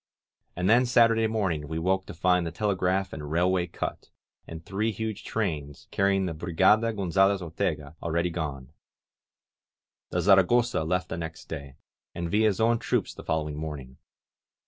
And then Saturday morning we woke to find the telegraph and railway cut, and three huge trains, carrying the Brigada Gonzalez Ortega, already gone. The Zaragosa left the next day, and Villa's own troops the following morning.